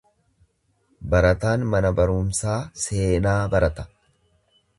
Barataan mana barumsaa seenaa barata.